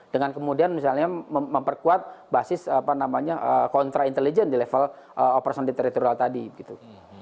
dengan kemudian misalnya memperkuat basis apa namanya kontra intelijen di level operasan deteritural tadi gitu